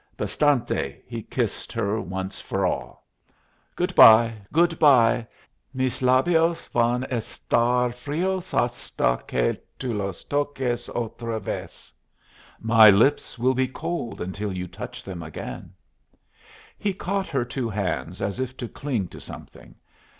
"Bastante!" He kissed her once for all. "Good bye! good bye! Mis labios van estar frios hasta que tu los toques otra vez" (My lips will be cold until you touch them again). He caught her two hands, as if to cling to something.